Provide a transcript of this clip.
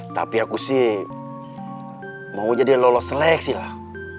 tapi aku sih mau jadi lolos seleksi lah